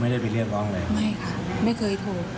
ไม่ค่ะไม่เคยโทร